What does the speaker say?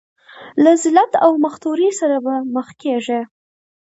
له ذلت او مختورۍ سره به مخ کېږي.